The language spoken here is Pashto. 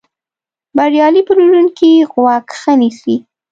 بریالی پلورونکی غوږ ښه نیسي.